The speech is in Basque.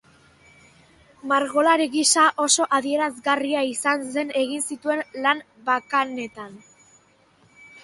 Margolari gisa oso adierazgarria izan zen egin zituen lan bakanetan.